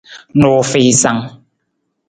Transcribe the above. Nuufiisang.